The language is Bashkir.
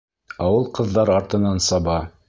Ә ул ҡыҙҙар артынан саба!